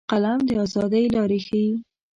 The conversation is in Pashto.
قلم د ازادۍ لارې ښيي